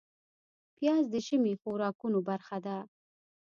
پیاز د ژمي خوراکونو برخه ده